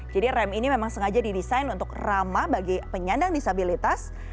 jadi rem ini memang sengaja didesain untuk ramah bagi penyandang disabilitas